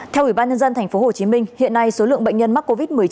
theo ủy ban nhân dân tp hcm hiện nay số lượng bệnh nhân mắc covid một mươi chín